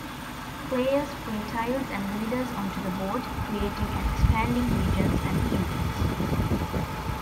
Players play tiles and leaders onto the board, creating and expanding regions and kingdoms.